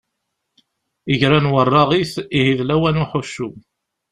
Igran weṛṛaɣit, ihi d lawan n uḥuccu.